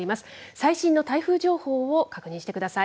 最新の台風情報を確認してください。